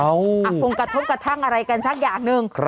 คงกระทบกระทั่งอะไรกันสักอย่างหนึ่ง